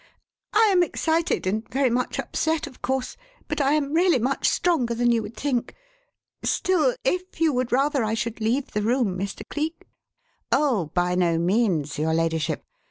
"I am excited and very much upset, of course, but I am really much stronger than you would think. Still, if you would rather I should leave the room, Mr. Cleek " "Oh, by no means, your ladyship.